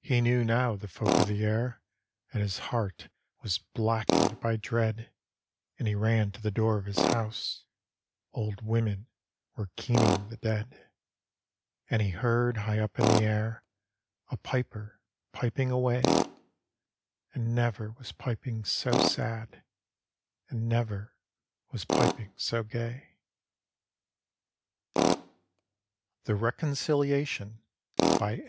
He knew now the folk of the air. And his heart was blackened by dread, And he ran to the door of his house; Old women were keening the dead. And he heard high up in the air A piper piping away; And never was piping so sad And never was piping so gay. D,gt,, erihyGOOgle Tke RecancUiation THE RECONCILIATION : a.